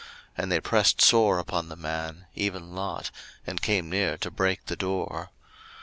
And they pressed sore upon the man, even Lot, and came near to break the door.